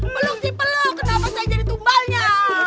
peluk sih peluk kenapa saya jadi tumbalnya